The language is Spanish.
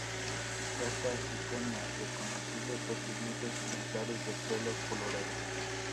Casta jijona: Reconocible por sus muchos ejemplares de pelo "colorado".